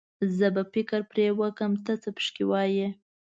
زه به فکر پرې وکړم، ته څه پکې وايې.